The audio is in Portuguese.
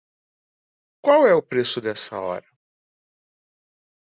Qual é o preço dessa hora?